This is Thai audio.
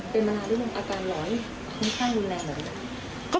เป็นมาหรือเปล่าอาการหลอยความแพร่รุนแรงเหรอครับ